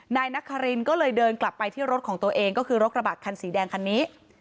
นายนครินก็เลยเดินกลับไปที่รถของตัวเองก็คือรถกระบะคันสีแดงคันนี้